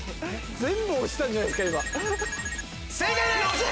全部押したんじゃないっすか？